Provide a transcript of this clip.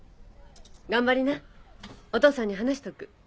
頑張りなおとうさんに話しとく。